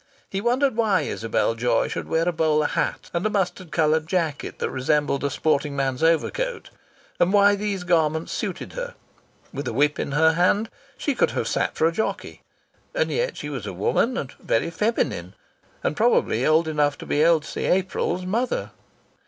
He wondered why Isabel Joy should wear a bowler hat and a mustard coloured jacket that resembled a sporting man's overcoat; and why these garments suited her. With a whip in her hand she could have sat for a jockey. And yet she was a woman, and very feminine, and probably old enough to be Elsie April's mother!